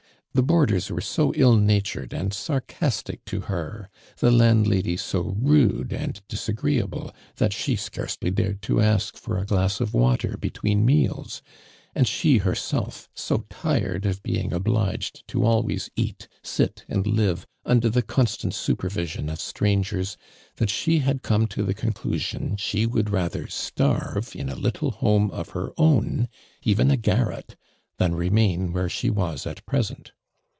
The boarders were so ill natured and sarcastic to her — the landlady so rude and disagreeable that she scarcely dared to ask for a glass .of water between meals, and she herself so tired of being obliged to always eat, sit and live under the constant super vision of strangers, that she had come to the conclusion she would rather starve in a little homo of her own — even a garret — than remain where she was at present.